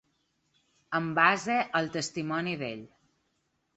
En base al testimoni d’ell.